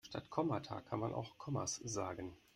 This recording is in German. Statt Kommata kann man auch Kommas sagen.